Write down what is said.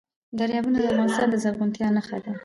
دریابونه د افغانستان د زرغونتیا نښه ده.